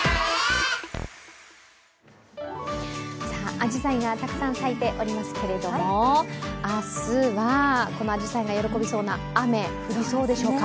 あじさいがたくさん咲いておりますけれど、明日はこのあじさいが喜びそうな、雨、降りそうでしょうか。